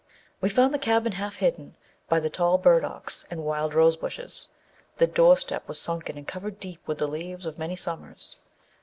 We found the cabin, half hidden by the tall burdocks and wild rose bushes. The door step was sunken and covered deep with the leaves of many summers.